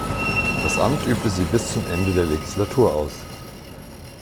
Das Amt übte sie bis zum Ende der Legislatur aus.